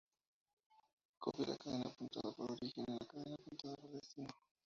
Copia la cadena apuntada por "origen" en la cadena apuntada por "destino".